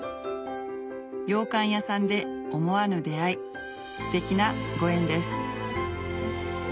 ようかん屋さんで思わぬ出会いステキなご縁です